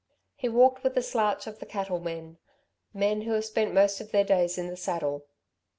He walked with the slouch of the cattle men men who have spent most of their days in the saddle.